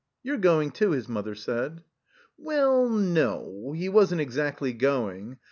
"You're going, too," his mother said. Well, no, he wasn't exactly going.